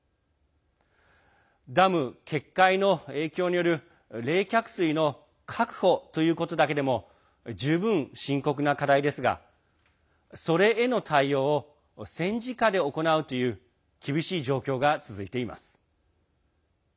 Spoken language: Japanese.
ダム決壊の影響による冷却水の確保ということだけでも十分深刻な課題ですがそれへの対応を戦時下で行うという厳しい状況が続いています。